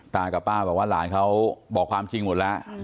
กับป้าบอกว่าหลานเขาบอกความจริงหมดแล้ว